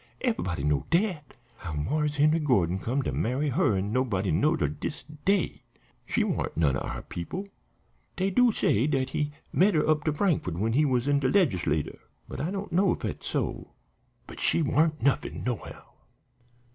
Eve'body knowed dat. How Marse Henry Gordon come to marry her nobody don't know till dis day. She warn't none o' our people. Dey do say dat he met her up to Frankfort when he was in de Legislator, but I don't know if dat's so. But she warn't nuffin, nohow."